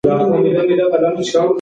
هغه د نرمې ژبې پلوی و.